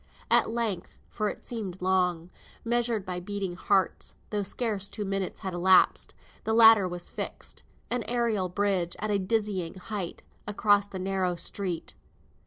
At length for it seemed long, measured by beating hearts, though scarce two minutes had elapsed the ladder was fixed, an aerial bridge at a dizzy height, across the narrow street.